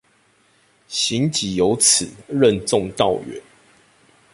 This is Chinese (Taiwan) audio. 行己有恥，任重道遠